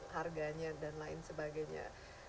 harganya dan lain sebagainya